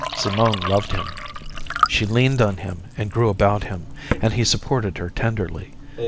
Simone loved him. She leaned on him and grew about him, and he supported her tenderly.